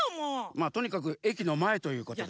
まあとにかく駅のまえということで。